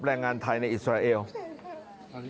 แรงงานไทยในอิสระอิซวัน